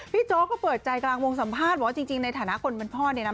โจ๊กก็เปิดใจกลางวงสัมภาษณ์บอกว่าจริงในฐานะคนเป็นพ่อเนี่ยนะ